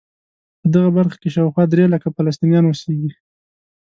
په دغه برخه کې شاوخوا درې لکه فلسطینیان اوسېږي.